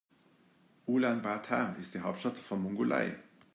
Ulaanbaatar ist die Hauptstadt von Mongolei.